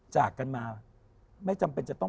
จากกันมาไม่จำเป็นจะต้อง